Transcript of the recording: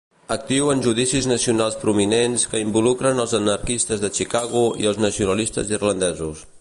Actiu en judicis nacionals prominents que involucren els anarquistes de Chicago i els nacionalistes irlandesos.